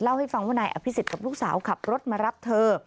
เล่าให้ฟังว่านายอภิษฎกับลูกสาวขับรถมารับเธอ